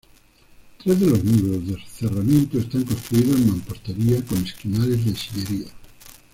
Tres de los muros de cerramiento están construidos en mampostería con esquinales de sillería.